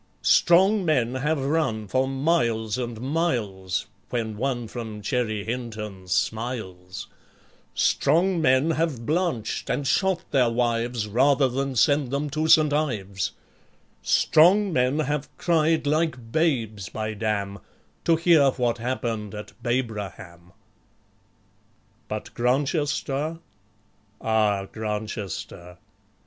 Strong men have run for miles and miles, When one from Cherry Hinton smiles; Strong men have blanched, and shot their wives, Rather than send them to St. Ives; Strong men have cried like babes, bydam, To hear what happened at Babraham. But Grantchester! ah, Grantchester!